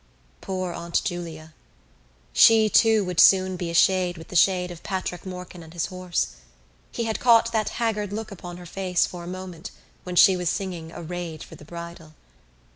Poor Aunt Julia! She, too, would soon be a shade with the shade of Patrick Morkan and his horse. He had caught that haggard look upon her face for a moment when she was singing Arrayed for the Bridal.